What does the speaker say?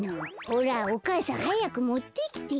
ほらお母さんはやくもってきて。